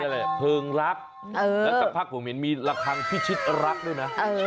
เผิงละและจากภาคเหมือนมีระทางพิชิตละด้วยนะ